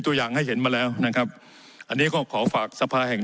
ตัวอย่างให้เห็นมาแล้วนะครับอันนี้ก็ขอฝากสภาแห่ง